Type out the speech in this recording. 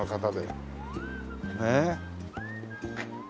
ねえ。